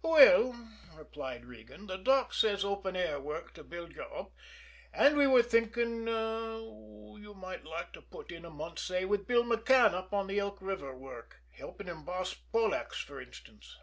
"Well," replied Regan, "the doc says open air work to build you up, and we were thinking you might like to put in a month, say, with Bill McCann up on the Elk River work helping him boss Polacks, for instance."